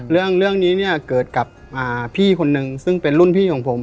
เรื่องนี้เนี่ยเกิดกับพี่คนนึงซึ่งเป็นรุ่นพี่ของผม